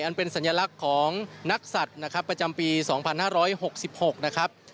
อันเป็นสัญลักษณ์ของนักสัตว์นะครับประจำปี๒๕๖๖นะครับ